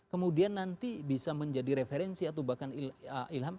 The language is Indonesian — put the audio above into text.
kemudian nanti bisa menjadi referensi atau bahkan ilham